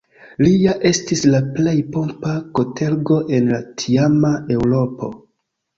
Lia estis la plej pompa kortego en la tiama Eŭropo.